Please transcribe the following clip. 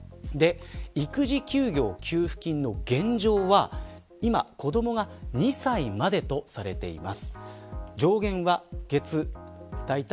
育児休業給付金の現状は今、子どもが２歳までとされています。